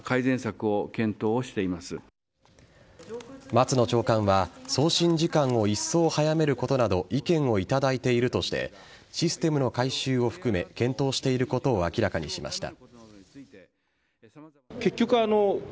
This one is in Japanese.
松野長官は送信時間をいっそう早めることなど意見を頂いているとしてシステムの改修を含め検討していることを明らかにしました。